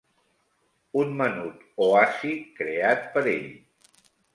Un menut oasi creat per ell